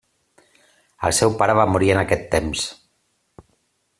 El seu pare va morir en aquest temps.